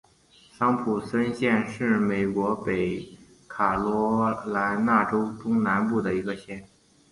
桑普森县是美国北卡罗莱纳州中南部的一个县。